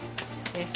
えっ？